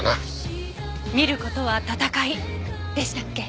「見る事は戦い」でしたっけ？